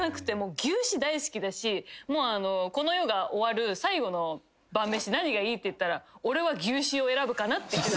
牛脂大好きだしこの世が終わる最後の晩飯何がいいっていったら俺は牛脂を選ぶかなって。